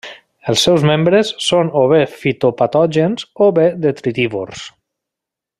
Els seus membres són o bé fitopatògens o bé detritívors.